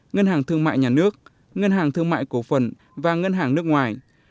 ngân hàng thương mại nhà nước ngân hàng thương mại cổ phần và ngân hàng nước ngoài